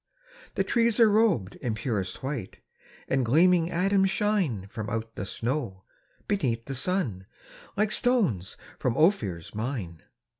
The trees are rob'd in purest white, And gleaming atoms shine From out the snow, beneath the sun, Like stones from Ophir's mine.